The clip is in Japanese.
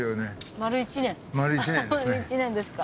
丸１年ですか。